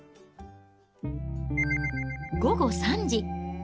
午後３時。